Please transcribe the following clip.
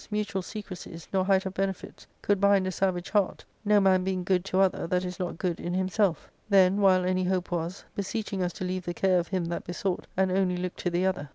mutual secrecies, nor height of benefits could bind a savage heart, no man being good to other that is not good in himself ; then, while any hope was, beseeching us to leave .the care of him that besought, and only look to the other.